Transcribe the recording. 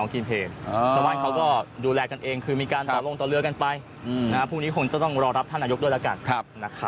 ก็ดูแลกันเองคือมีการต่อลงต่อเรือกันไปพรุ่งนี้คงจะต้องรอรับท่านนายกด้วยแล้วกัน